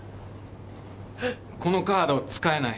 このカード使えない？